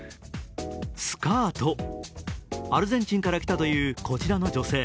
スカート、アルゼンチンから来たというこちらの女性。